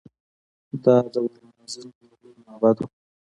دا د اور لمانځنې یو لوی معبد و